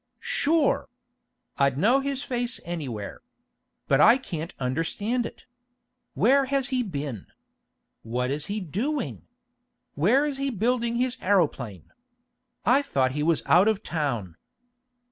"Sure! I'd know his face anywhere. But I can't understand it. Where has he been? What is he doing? Where is he building his aeroplane? I thought he was out of town."